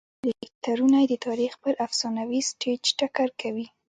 کرکټرونه یې د تاریخ پر افسانوي سټېج ټکر کوي.